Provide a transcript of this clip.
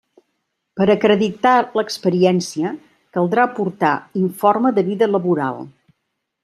Per acreditar l'experiència caldrà aportar informe de vida laboral.